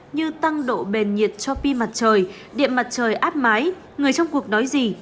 như tăng độ bền nhiệt cho pi mặt trời điện mặt trời áp mái người trong cuộc nói gì